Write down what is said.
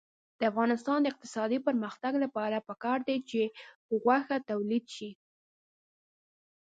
د افغانستان د اقتصادي پرمختګ لپاره پکار ده چې غوښه تولید شي.